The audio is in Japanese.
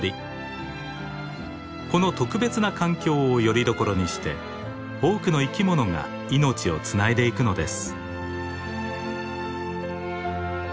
この特別な環境をよりどころにして多くの生き物が命をつないでいくのです。